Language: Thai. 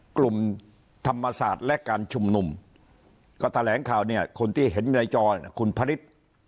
กลุ่มธรรมศาสตร์และการชุมนุมก็แถลงข่าวเนี่ยคนที่เห็นในจอคุณพระฤทธิ์